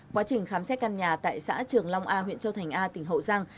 quá trình khám xét căn nhà tại xã trường long a huyện châu thành a tỉnh hậu giang